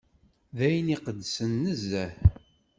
D ayen iqedsen nezzeh.